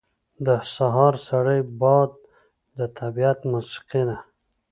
• د سهار سړی باد د طبیعت موسیقي ده.